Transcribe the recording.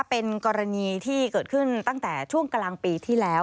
เป็นกรณีที่เกิดขึ้นตั้งแต่ช่วงกลางปีที่แล้ว